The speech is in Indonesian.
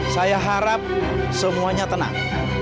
saya harap semuanya tenang